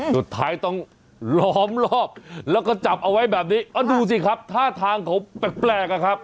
สุดท้ายต้องล้อมรอบแล้วก็จับเอาไว้แบบนี้ดูสิครับท่าทางเขาแปลกอะครับ